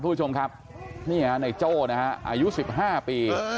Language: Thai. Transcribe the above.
ทุกผู้ชมครับนี่ฮะในโจ้นะฮะอายุสิบห้าปี